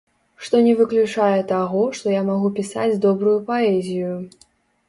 Што не выключае таго, што я магу пісаць добрую паэзію.